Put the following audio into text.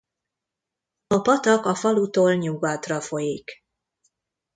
A patak a falutól nyugatra folyik.